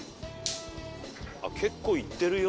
結構いってるよ。